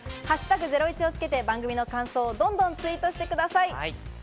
「＃ゼロイチ」をつけて番組の感想をどんどんツイートしてください。